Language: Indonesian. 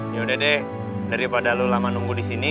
yaudah deh daripada lo lama nunggu di sini